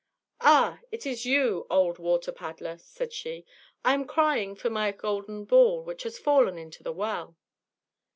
"Ah! it is you, old water paddler!" said she. "I am crying for my golden ball, which has fallen into the well."